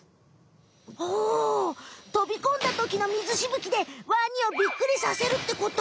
ほうとびこんだときのみずしぶきでワニをびっくりさせるってこと。